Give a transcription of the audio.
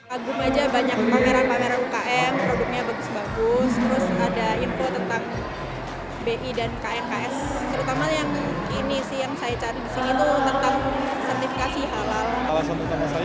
agung aja banyak kamera camera ukm produknya bagus bagus terus ada info tentang bi dan kmks